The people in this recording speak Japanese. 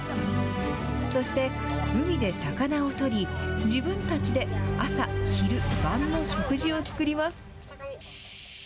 そして、海で魚を取り、自分たちで朝、昼、晩の食事を作ります。